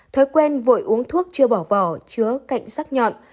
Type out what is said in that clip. thói quen vội uống thuốc chưa bỏ vỏ chứa cạnh sắc nhọn